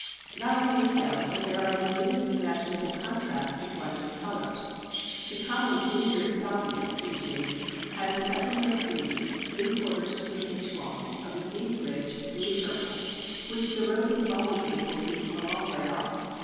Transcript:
Not only so, but there are the neatest imaginable contrasts and blends of colour. The common Bluebeard Salvia, e.g., has the uppermost leaves (three quarters to an inch long) of a deep, rich, blue purple, which the roving Bumble bee will see from a long way off.